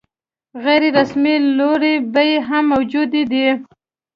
غیر رسمي لوړې بیې هم موجودې دي.